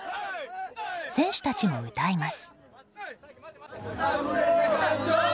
選手たちも歌います。